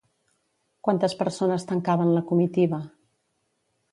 Quantes persones tancaven la comitiva?